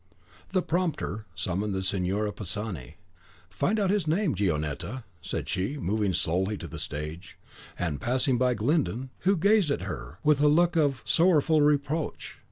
The prompter summoned the Signora Pisani. "Find out his name, Gionetta," said she, moving slowly to the stage, and passing by Glyndon, who gazed at her with a look of sorrowful reproach.